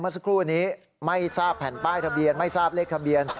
สักครู่นี้ไม่ทราบแผ่นป้ายทะเบียนไม่ทราบเลขทะเบียน